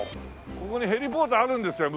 ここにヘリポートあるんですよ